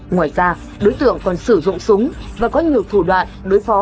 ngoài ra đối tượng còn sử dụng súng và có nhiều thủ đoạn đối với tội phạm ma túy